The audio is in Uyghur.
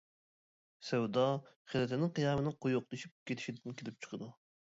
سەۋدا خىلىتىنىڭ قىيامىنىڭ قويۇقلىشىپ كېتىشىدىن كېلىپ چىقىدۇ.